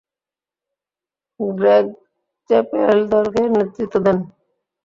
Greg Chappell দলকে নেতৃত্ব দেন।